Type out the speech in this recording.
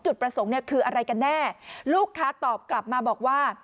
จุดประสงค์เนี่ยคืออะไรกันแน่ลูกค้าตอบกลับมาบอกว่า